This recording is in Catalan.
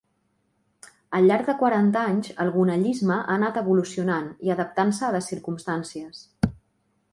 Al llarg de quaranta anys el gonellisme ha anat evolucionant i adaptant-se a les circumstàncies.